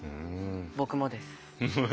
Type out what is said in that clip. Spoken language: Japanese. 僕もです。